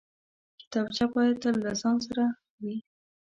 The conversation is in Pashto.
کتابچه باید تل له ځان سره وي